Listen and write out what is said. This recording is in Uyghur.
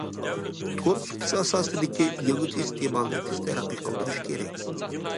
تور سۇپىسى ئاساسىدىكى يېڭىچە ئىستېمالنى تېز تەرەققىي قىلدۇرۇش كېرەك.